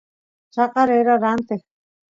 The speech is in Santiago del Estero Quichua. chaqa rera ranteq